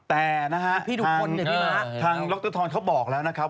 แต่นะฮะทางล็อคเตอร์ทอนเขาบอกแล้วนะครับ